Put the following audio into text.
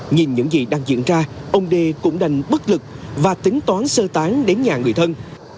nhìn những gì đang diễn ra ông đê cũng đành bất lực và tính toán sơ tán đến nhà người thân